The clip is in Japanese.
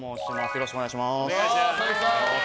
よろしくお願いします。